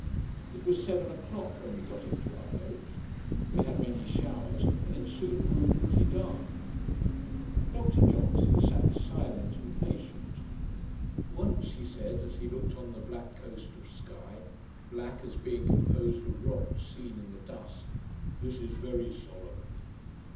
It was seven o'clock when we got into our boat. We had many showers, and it soon grew pretty dark. Dr Johnson sat silent and patient. Once he said, as he looked on the black coast of Sky black, as being composed of rocks seen in the dusk 'This is very solemn.'